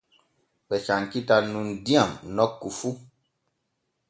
Ɓe cankitan nun diyam nokku fu.